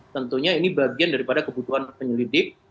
tentunya ini bagian daripada kebutuhan penyelidik